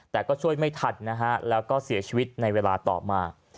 แต่ก็ช่วยไม่ทันนะฮะแล้วก็เสียชีวิตในเวลาต่อมา